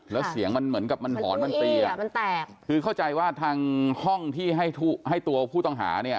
แล้วเสียงมันเหมือนกับมันหอนมันตีอ่ะมันแตกคือเข้าใจว่าทางห้องที่ให้ให้ตัวผู้ต้องหาเนี่ย